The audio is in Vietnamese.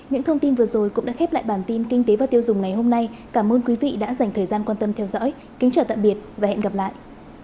những thông tin vừa rồi cũng đã khép lại bản tin kinh tế và tiêu dùng ngày hôm nay cảm ơn quý vị đã dành thời gian quan tâm theo dõi kính chào tạm biệt và hẹn gặp lại